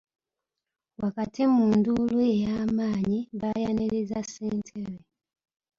Wakati mu nduulu eyamanyi baayaniriza ssentebe.